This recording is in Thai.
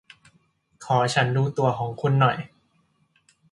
ขอฉันดูตั๋วของคุณหน่อย